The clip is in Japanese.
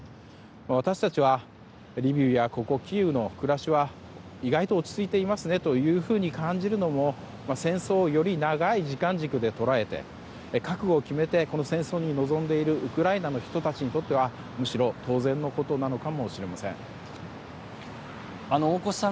私たちは、リビウやここキーウの暮らしは意外と落ち着いていますねと感じるのも戦争をより長い時間軸で捉えて覚悟を決めてこの戦争に臨んでいるウクライナの人たちにとってはむしろ当然のことなのかもしれません。